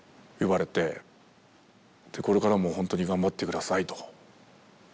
これからもほんとに頑張って下さいと。